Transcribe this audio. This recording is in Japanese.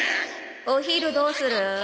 お昼どうする？